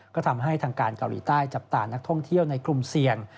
ก็ทำให้ทางการเกาหลีใต้จับตานักท่องเที่ยวในกลุ่มเสี่ยง